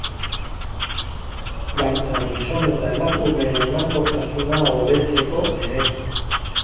Baita gizon eta emakumeen emankortasuna hobetzeko ere.